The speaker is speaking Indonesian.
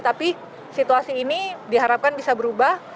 tapi situasi ini diharapkan bisa berubah